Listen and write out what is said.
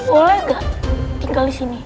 boleh nggak tinggal di sini